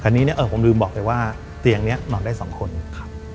แต่นี้เนี่ยเออผมลืมบอกไปว่าเตียงนี้นอนได้สองคนครับ